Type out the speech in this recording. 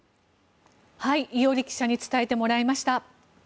伊従記者に伝えてもらいました。